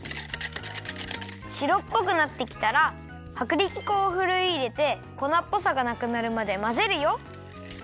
しろっぽくなってきたらはくりき粉をふるいいれて粉っぽさがなくなるまでまぜるよ。